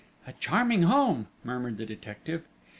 "A charming home!" murmured the detective....